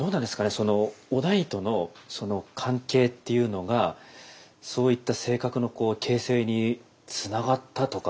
その於大との関係っていうのがそういった性格の形成につながったとか。